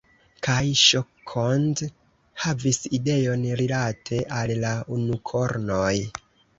Kaj Ŝokond havis ideon rilate al la unukornoj.